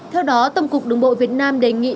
theo đó tổng cục đường bộ việt nam đề nghị